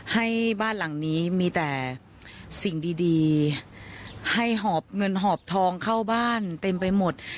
ให้บ้านหลังนี้มีแต่สิ่งดีให้หอบเงินหอบทองเข้าบ้านเต็มไปหมด